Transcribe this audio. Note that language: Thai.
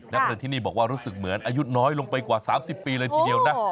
นักเรียนที่นี่บอกว่ารู้สึกเหมือนอายุน้อยลงไปกว่า๓๐ปีเลยทีเดียวนะ